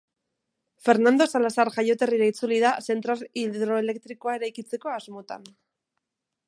Fernando Salazar jaioterrira itzuli da zentral hidroelektrikoa eraikitzeko asmotan.